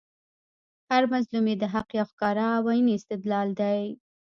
هر مظلوم ئې د حق یو ښکاره او عیني استدلال دئ